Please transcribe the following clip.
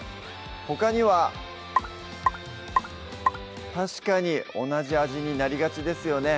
ほかには確かに同じ味になりがちですよね